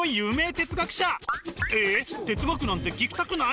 哲学なんて聞きたくない？